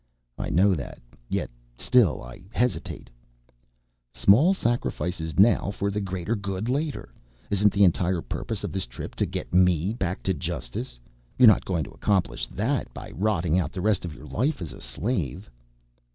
"I know that, yet I still hesitate " "Small sacrifices now for the greater good later. Isn't the entire purpose of this trip to get me back to justice? You're not going to accomplish that by rotting out the rest of your life as a slave."